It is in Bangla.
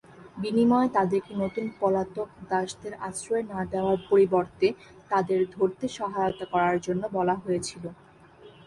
বিনিময়ে তাদেরকে নতুন পলাতক দাসদের আশ্রয় না দেওয়ার পরিবর্তে তাদের ধরতে সহায়তা করার জন্য বলা হয়েছিল।